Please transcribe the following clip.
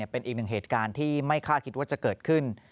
เป็นอีกหนึ่งเหตุการณ์ที่ไม่คาดคิดว่าจะเกิดขึ้น